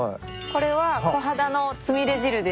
・これはコハダのつみれ汁です。